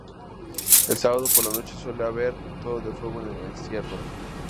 El sábado por la noche suele haber toro de fuego en el encierro.